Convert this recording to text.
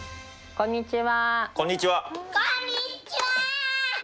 こんにちは。